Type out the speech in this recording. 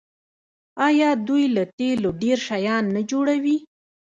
آیا دوی له تیلو ډیر شیان نه جوړوي؟